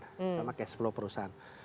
sama cash flow perusahaan